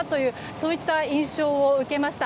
そういった印象を受けました。